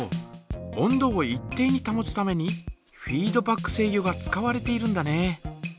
温度を一定にたもつためにフィードバック制御が使われているんだね。